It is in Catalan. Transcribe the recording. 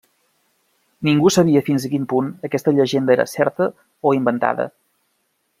Ningú sabia fins a quin punt aquesta llegenda era certa o inventada.